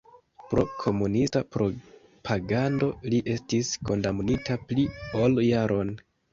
Pro komunista propagando li estis kondamnita pli ol jaron.